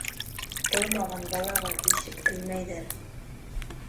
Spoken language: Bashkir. Тыумаған балаға бишек элмәйҙәр.